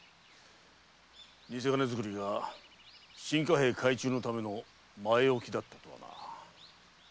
偽金作りが新貨幣改鋳のための前置きだとはな。